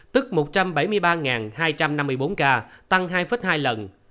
tức một trăm bảy mươi ba hai trăm năm mươi bốn ca tăng hai hai lần